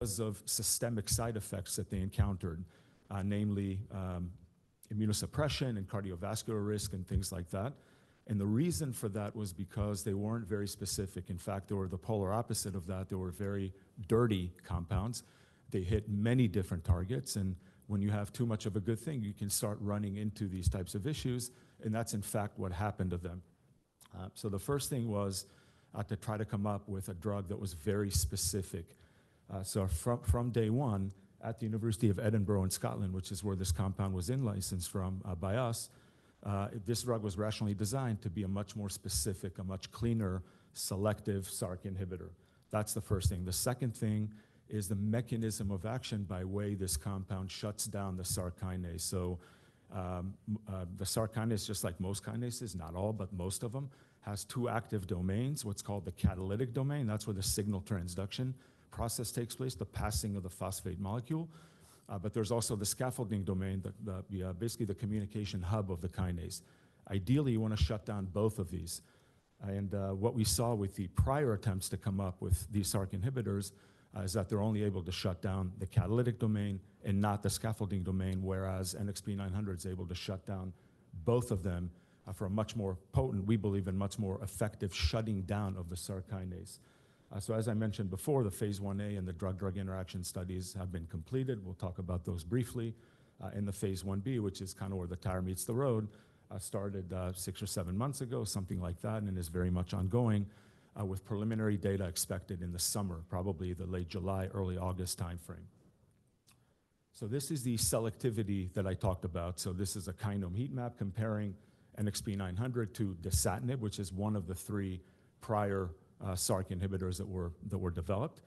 Because of systemic side effects that they encountered, namely, immunosuppression and cardiovascular risk and things like that. The reason for that was because they weren't very specific. In fact, they were the polar opposite of that. They were very dirty compounds. They hit many different targets, and when you have too much of a good thing, you can start running into these types of issues, and that's in fact what happened to them. The first thing was to try to come up with a drug that was very specific. From, from day one at The University of Edinburgh in Scotland, which is where this compound was in licensed from, by us, this drug was rationally designed to be a much more specific, a much cleaner selective SRC inhibitor. That's the first thing. The second thing is the mechanism of action by way this compound shuts down the SRC kinase. The SRC kinase, just like most kinases, not all, but most of them, has two active domains, what's called the catalytic domain. That's where the signal transduction process takes place, the passing of the phosphate molecule. But there's also the scaffolding domain, basically the communication hub of the kinase. Ideally, you wanna shut down both of these. What we saw with the prior attempts to come up with these SRC inhibitors is that they're only able to shut down the catalytic domain and not the scaffolding domain, whereas NXP900 is able to shut down both of them for a much more potent, we believe, and much more effective shutting down of the SRC kinase. As I mentioned before, the phase I-A and the drug-drug interaction studies have been completed. We'll talk about those briefly. The phase I-B, which is kind of where the tire meets the road, started six or seven months ago, something like that, and is very much ongoing, with preliminary data expected in the summer, probably the late July, early August timeframe. This is the selectivity that I talked about. This is a kind of heat map comparing NXP900 to dasatinib, which is one of the three prior SRC inhibitors that were developed.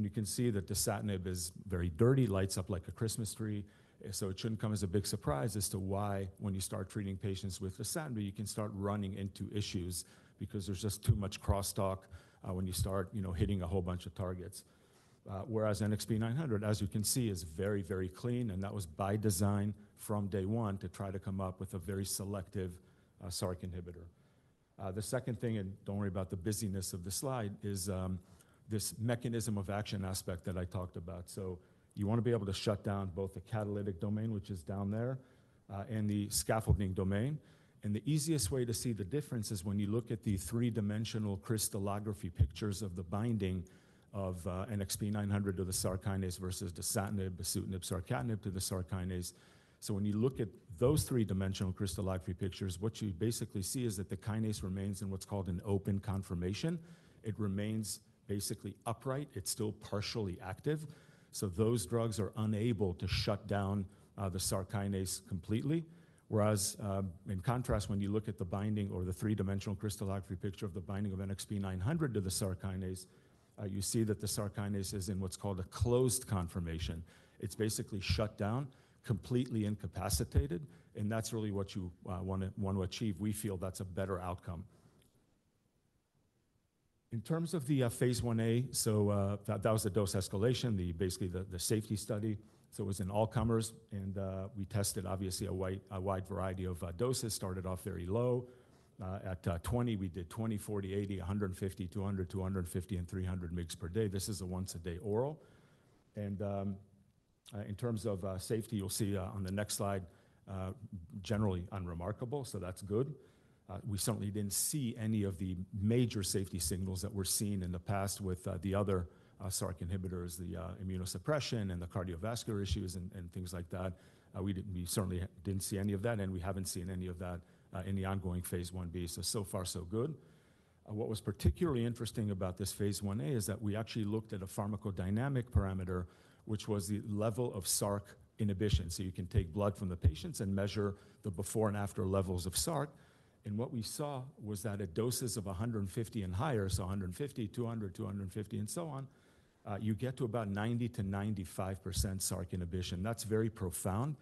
You can see that dasatinib is very dirty, lights up like a Christmas tree. So it shouldn't come as a big surprise as to why when you start treating patients with dasatinib, you can start running into issues because there's just too much crosstalk when you start, you know, hitting a whole bunch of targets. Whereas NXP900, as you can see, is very, very clean, and that was by design from day one to try to come up with a very selective SRC inhibitor. The second thing, and don't worry about the busyness of the slide, is this mechanism of action aspect that I talked about. So you wanna be able to shut down both the catalytic domain, which is down there, and the scaffolding domain. The easiest way to see the difference is when you look at the three-dimensional crystallography pictures of the binding of NXP900 to the SRC kinase versus dasatinib, bosutinib, saracatinib to the SRC kinase. When you look at those three-dimensional crystallography pictures, what you basically see is that the kinase remains in what's called an open conformation. It remains basically upright. It's still partially active. Those drugs are unable to shut down the SRC kinase completely. Whereas, in contrast, when you look at the binding or the three-dimensional crystallography picture of the binding of NXP900 to the SRC kinase, you see that the SRC kinase is in what's called a closed conformation. It's basically shut down, completely incapacitated, and that's really what you wanna achieve. We feel that's a better outcome. In terms of the phase I-A, that was the dose escalation, basically the safety study. It was in all comers, and we tested obviously a wide variety of doses. Started off very low, at 20. We did 20, 40, 80, 150, 200, 250, and 300 mg per day. This is a once-a-day oral. In terms of safety, you'll see on the next slide, generally unremarkable. That's good. We certainly didn't see any of the major safety signals that were seen in the past with the other SRC inhibitors, the immunosuppression and the cardiovascular issues and things like that. We certainly didn't see any of that, and we haven't seen any of that in the ongoing phase I-B, so far so good. What was particularly interesting about this phase I-A is that we actually looked at a pharmacodynamic parameter, which was the level of SRC inhibition. You can take blood from the patients and measure the before and after levels of SRC. What we saw was that at doses of 150 and higher, 150, 200, 250, and so on, you get to about 90%-95% SRC inhibition. That's very profound.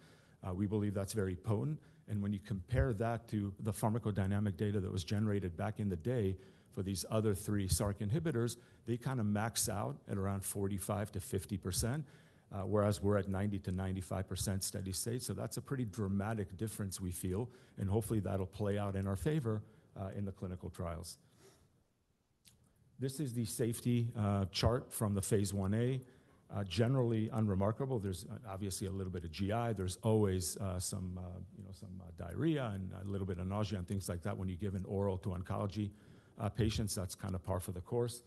We believe that's very potent. When you compare that to the pharmacodynamic data that was generated back in the day for these other three SRC inhibitors, they kinda max out at around 45%-50%, whereas we're at 90% to 95% steady state. That's a pretty dramatic difference we feel, and hopefully, that'll play out in our favor in the clinical trials. This is the safety chart from the phase I-A. Generally unremarkable. There's obviously a little bit of GI. There's always some, you know, some diarrhea and a little bit of nausea and things like that when you give an oral to oncology patients. That's kinda par for the course.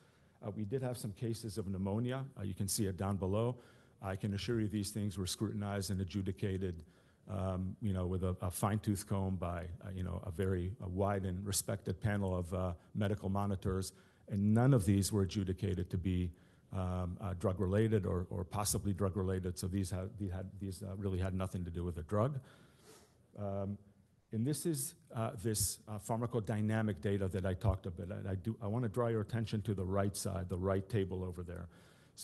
We did have some cases of pneumonia. You can see it down below. I can assure you these things were scrutinized and adjudicated, you know, with a fine-tooth comb by, you know, a wide and respected panel of medical monitors, and none of these were adjudicated to be drug-related or possibly drug-related. These had really nothing to do with the drug. This is this pharmacodynamic data that I talked a bit. I wanna draw your attention to the right side, the right table over there.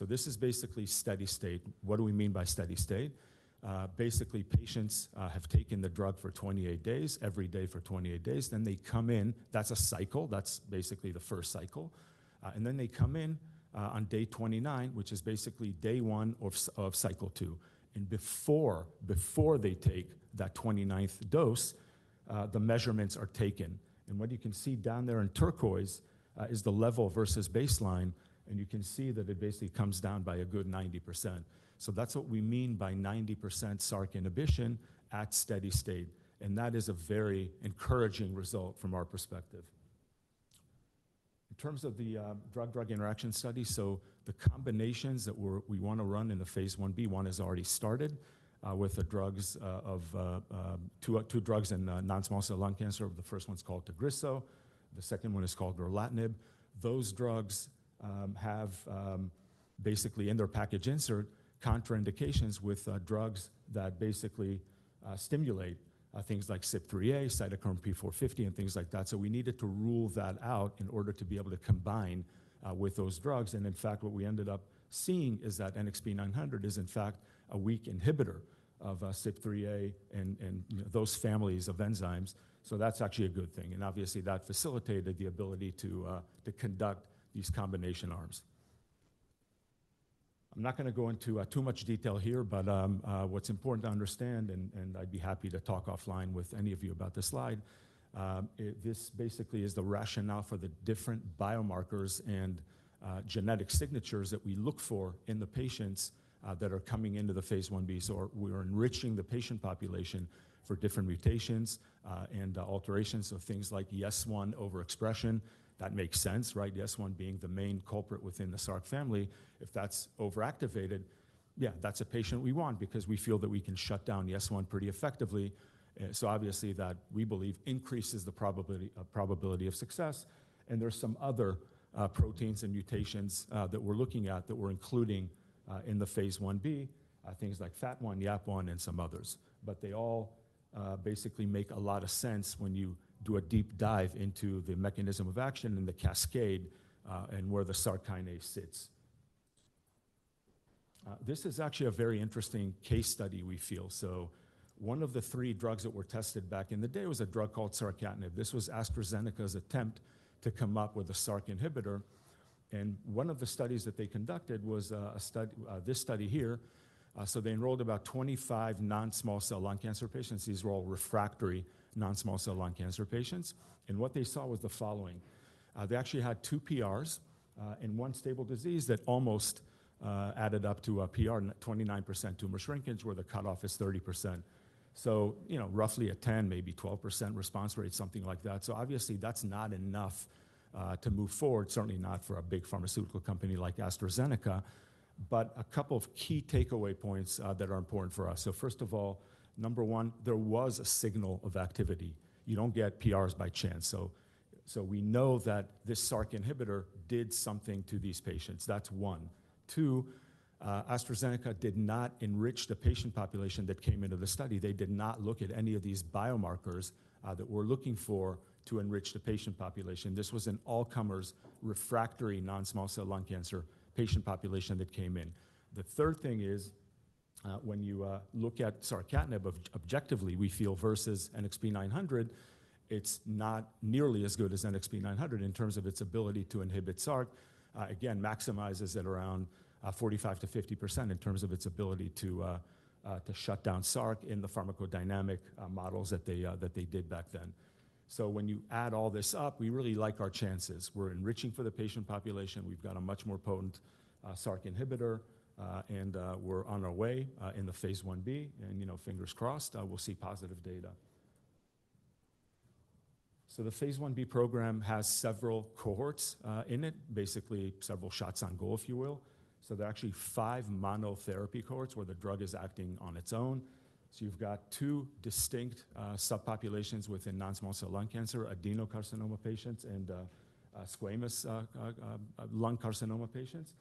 This is basically steady state. What do we mean by steady state? Basically, patients have taken the drug for 28 days, every day for 28 days. They come in. That's a cycle. That's basically the first cycle. Then they come in on day 29, which is basically day one of cycle two. Before they take that 29th dose, the measurements are taken. What you can see down there in turquoise is the level versus baseline, and you can see that it basically comes down by a good 90%. That's what we mean by 90% SRC inhibition at steady state, that is a very encouraging result from our perspective. In terms of the drug-drug interaction study, the combinations that we wanna run in the phase I-B, one has already started with the drugs of two drugs in non-small cell lung cancer. The first one's called TAGRISSO, the second one is called lorlatinib. Those drugs have basically in their package insert, contraindications with drugs that basically stimulate things like CYP3A, cytochrome P450, and things like that. We needed to rule that out in order to be able to combine with those drugs. In fact, what we ended up seeing is that NXP900 is in fact a weak inhibitor of CYP3A and those families of enzymes. That's actually a good thing, and obviously that facilitated the ability to conduct these combination arms. I'm not gonna go into too much detail here, but what's important to understand and I'd be happy to talk offline with any of you about this slide. This basically is the rationale for the different biomarkers and genetic signatures that we look for in the patients that are coming into the phase I-B. We're enriching the patient population for different mutations and alterations of things like YES1 overexpression. That makes sense, right? YES1 being the main culprit within the SRC family. If that's overactivated, yeah, that's a patient we want because we feel that we can shut down YES1 pretty effectively. Obviously that we believe increases the probability of success. There are some other proteins and mutations that we're looking at that we're including in the phase I-B, things like FAT1, YAP1, and some others. They all basically make a lot of sense when you do a deep dive into the mechanism of action and the cascade and where the SRC kinase sits. This is actually a very interesting case study we feel. One of the three drugs that were tested back in the day was a drug called saracatinib. This was AstraZeneca's attempt to come up with a SRC inhibitor, and one of the studies that they conducted was this study here. They enrolled about 25 non-small cell lung cancer patients. These were all refractory non-small cell lung cancer patients, and what they saw was the following. They actually had two PRs and one stable disease that almost added up to a PR, 29% tumor shrinkage, where the cutoff is 30%. You know, roughly a 10, maybe 12% response rate, something like that. Obviously, that's not enough to move forward, certainly not for a big pharmaceutical company like AstraZeneca. A couple of key takeaway points that are important for us. First of all, number one, there was a signal of activity. You don't get PRs by chance. We know that this SRC inhibitor did something to these patients. That's one. Two, AstraZeneca did not enrich the patient population that came into the study. They did not look at any of these biomarkers that we're looking for to enrich the patient population. This was an all-comers refractory non-small cell lung cancer patient population that came in. The third thing is, when you look at saracatinib objectively, we feel versus NXP900, it's not nearly as good as NXP900 in terms of its ability to inhibit SRC. Again, maximizes at around 45%-50% in terms of its ability to shut down SRC in the pharmacodynamic models that they did back then. When you add all this up, we really like our chances. We're enriching for the patient population. We've got a much more potent SRC inhibitor, and we're on our way in the phase I-B. You know, fingers crossed, we'll see positive data. The phase I-B program has several cohorts in it, basically several shots on goal, if you will. There are actually five monotherapy cohorts where the drug is acting on its own. You've got two distinct subpopulations within non-small cell lung cancer, adenocarcinoma patients and squamous lung carcinoma patients.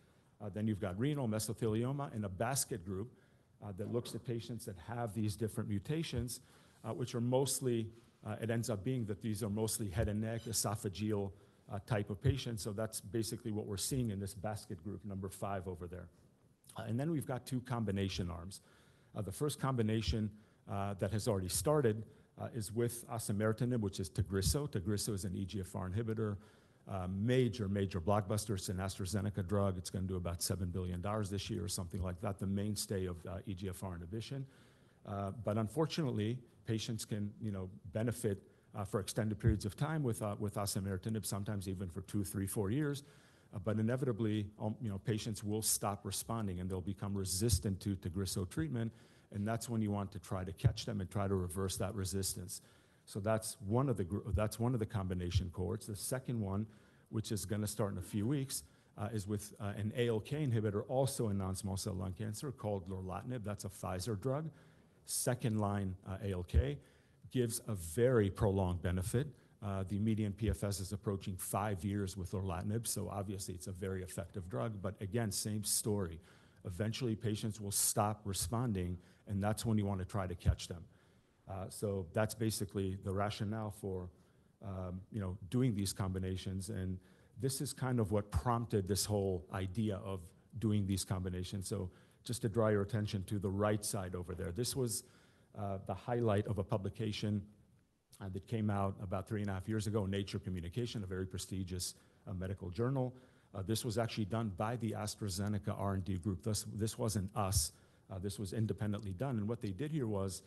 You've got renal mesothelioma and a basket group that looks at patients that have these different mutations, which are mostly, it ends up being that these are mostly head and neck, esophageal type of patients. That's basically what we're seeing in this basket group number five over there. We've got two combination arms. The first combination that has already started is with osimertinib, which is TAGRISSO. TAGRISSO is an EGFR inhibitor, major blockbuster. It's an AstraZeneca drug. It's going to do about $7 billion this year or something like that, the mainstay of EGFR inhibition. Unfortunately, patients can, you know, benefit for extended periods of time with osimertinib, sometimes even for two, three, four years. Inevitably, you know, patients will stop responding, and they'll become resistant to TAGRISSO treatment, and that's when you want to try to catch them and try to reverse that resistance. That's one of the combination cohorts. The second one, which is gonna start in a few weeks, is with an ALK inhibitor, also a non-small cell lung cancer called lorlatinib. That's a Pfizer drug. Second line, ALK gives a very prolonged benefit. The median PFS is approaching five years with lorlatinib, obviously, it's a very effective drug. Again, same story. Eventually, patients will stop responding, and that's when you wanna try to catch them. That's basically the rationale for, you know, doing these combinations, and this is kind of what prompted this whole idea of doing these combinations. Just to draw your attention to the right side over there, this was the highlight of a publication. It came out about 3.5 years ago in Nature Communications, a very prestigious medical journal. This was actually done by the AstraZeneca R&D group. This wasn't us. This was independently done. What they did here was,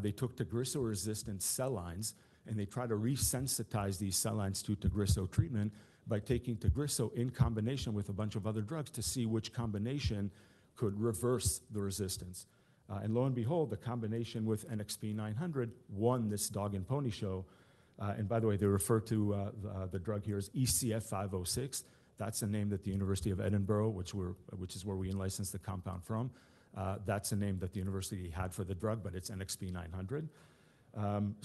they took TAGRISSO-resistant cell lines, and they tried to re-sensitize these cell lines to TAGRISSO treatment by taking TAGRISSO in combination with a bunch of other drugs to see which combination could reverse the resistance. Lo and behold, the combination with NXP900 won this dog and pony show. By the way, they refer to the drug here as eCF506. That's a name that The University of Edinburgh, which is where we in-licensed the compound from, that's a name that the university had for the drug, but it's NXP900.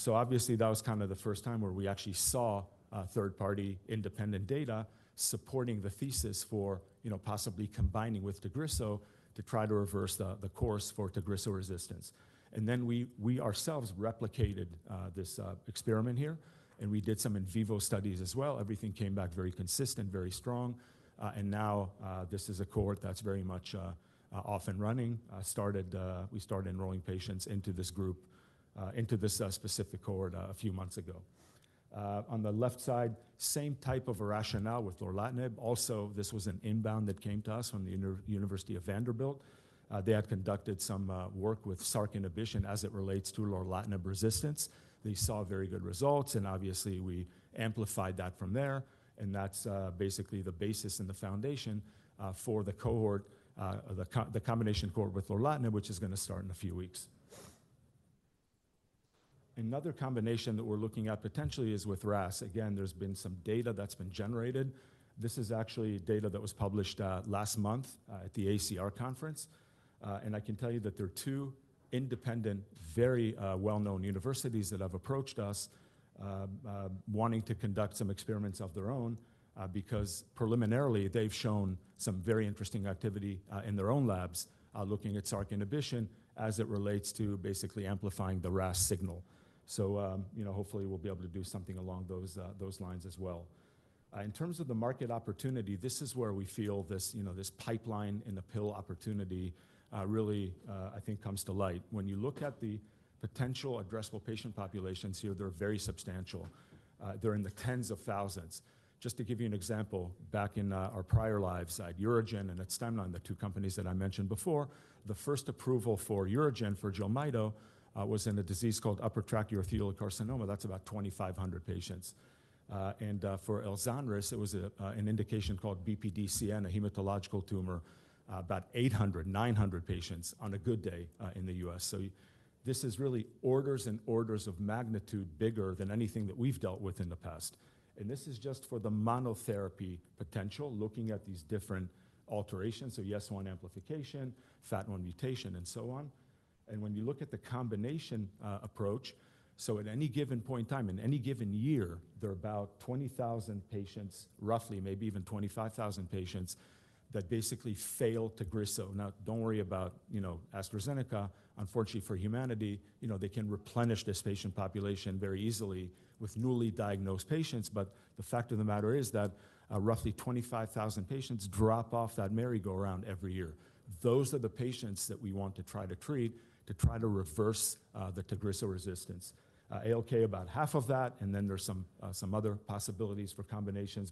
Obviously, that was kind of the first time where we actually saw third-party independent data supporting the thesis for, you know, possibly combining with TAGRISSO to try to reverse the course for TAGRISSO resistance. We ourselves replicated this experiment here, and we did some in vivo studies as well. Everything came back very consistent, very strong. Now, this is a cohort that's very much off and running. We started enrolling patients into this group, into this specific cohort a few months ago. On the left side, same type of rationale with lorlatinib. Also, this was an inbound that came to us from Vanderbilt University. They had conducted some work with SRC inhibition as it relates to lorlatinib resistance. They saw very good results, and obviously, we amplified that from there. That's basically the basis and the foundation for the combination cohort with lorlatinib, which is gonna start in a few weeks. Another combination that we're looking at potentially is with RAS. There's been some data that's been generated. This is actually data that was published last month at the AACR conference. I can tell you that there are two independent, very well-known universities that have approached us, wanting to conduct some experiments of their own, because preliminarily, they've shown some very interesting activity in their own labs, looking at SRC inhibition as it relates to basically amplifying the RAS signal. You know, hopefully, we'll be able to do something along those lines as well. In terms of the market opportunity, this is where we feel this, you know, this pipeline and the pill opportunity really, I think comes to light. When you look at the potential addressable patient populations here, they're very substantial. They're in the tens of thousands. Just to give you an example, back in our prior lives at UroGen and at Stemline, the two companies that I mentioned before, the first approval for UroGen for JELMYTO was in a disease called upper tract urothelial carcinoma. That's about 2,500 patients. For ELZONRIS, it was an indication called BPDCN, a hematological tumor, about 800, 900 patients on a good day in the U.S. This is really orders and orders of magnitude bigger than anything that we've dealt with in the past. This is just for the monotherapy potential, looking at these different alterations. YES1 amplification, FAT1 mutation, and so on. When you look at the combination approach, at any given point in time, in any given year, there are about 20,000 patients, roughly, maybe even 25,000 patients that basically fail TAGRISSO. Don't worry about, you know, AstraZeneca. Unfortunately for humanity, you know, they can replenish this patient population very easily with newly diagnosed patients. The fact of the matter is that roughly 25,000 patients drop off that merry-go-round every year. Those are the patients that we want to try to treat to try to reverse the TAGRISSO resistance. ALK, about half of that, and then there's some other possibilities for combinations.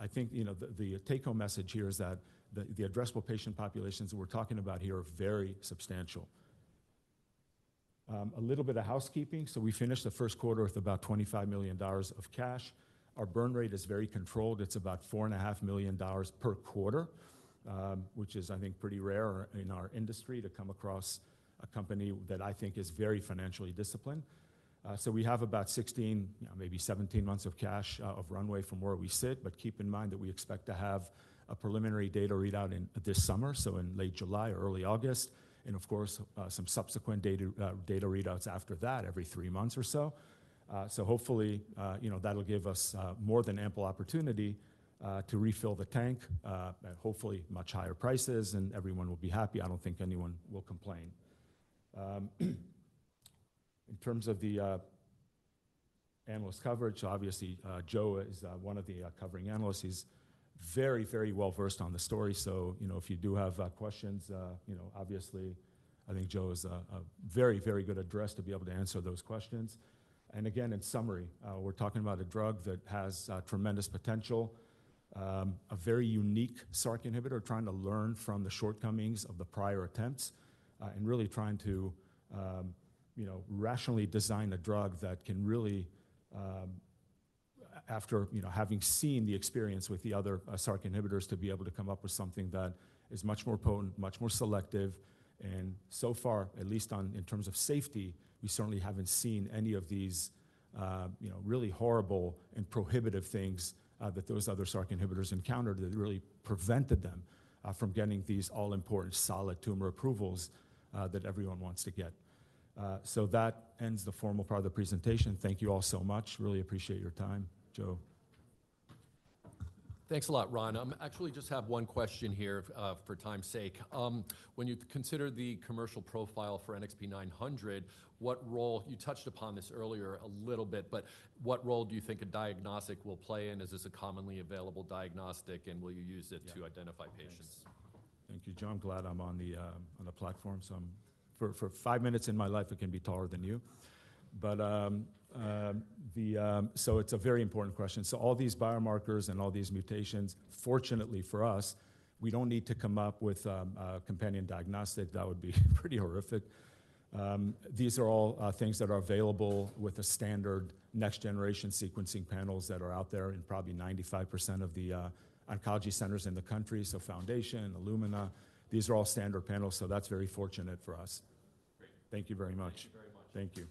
I think, you know, the take-home message here is that the addressable patient populations we're talking about here are very substantial. A little bit of housekeeping. We finished the first quarter with about $25 million of cash. Our burn rate is very controlled. It's about four and a half million dollars per quarter, which is, I think, pretty rare in our industry to come across a company that I think is very financially disciplined. We have about 16, maybe 17 months of cash of runway from where we sit. Keep in mind that we expect to have a preliminary data readout in this summer, so in late July or early August, and of course, some subsequent data data readouts after that every three months or so. Hopefully, you know, that'll give us more than ample opportunity to refill the tank at hopefully much higher prices, and everyone will be happy. I don't think anyone will complain. In terms of the analyst coverage, obviously, Joe is one of the covering analysts. He's very, very well-versed on the story. You know, if you do have questions, you know, obviously, I think Joe is a very, very good address to be able to answer those questions. Again, in summary, we're talking about a drug that has tremendous potential, a very unique SRC inhibitor, trying to learn from the shortcomings of the prior attempts, and really trying to, you know, rationally design a drug that can really, after, you know, having seen the experience with the other SRC inhibitors, to be able to come up with something that is much more potent, much more selective. So far, at least on in terms of safety, we certainly haven't seen any of these, you know, really horrible and prohibitive things that those other SRC inhibitors encountered that really prevented them from getting these all-important solid tumor approvals that everyone wants to get. So that ends the formal part of the presentation. Thank you all so much. Really appreciate your time. Joe. Thanks a lot, Ron. actually just have one question here for time's sake. When you consider the commercial profile for NXP900, you touched upon this earlier a little bit, but what role do you think a diagnostic will play, and is this a commonly available diagnostic, and will you use it to identify patients? Thank you, Joe. I'm glad I'm on the platform. For 5 minutes in my life, I can be taller than you. It's a very important question. All these biomarkers and all these mutations, fortunately for us, we don't need to come up with a companion diagnostic. That would be pretty horrific. These are all things that are available with the standard next-generation sequencing panels that are out there in probably 95% of the oncology centers in the country. Foundation, Illumina, these are all standard panels, so that's very fortunate for us. Great. Thank you very much. Thank you very much. Thank you.